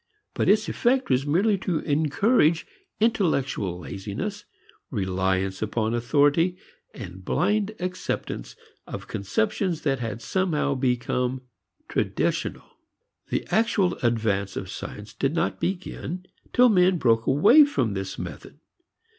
But its effect was merely to encourage intellectual laziness, reliance upon authority and blind acceptance of conceptions that had somehow become traditional. The actual advance of science did not begin till men broke away from this method.